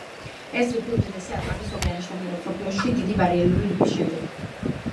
ეს რიფი უდიდესია ატლანტის ოკეანეში და მეორე მსოფლიოში დიდი ბარიერული რიფის შემდეგ.